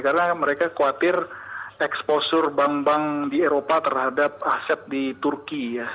karena mereka khawatir eksposur bank bank di eropa terhadap aset di turki ya